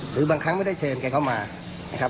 หรือบางครั้งไม่ได้เชิญแกเข้ามานะครับ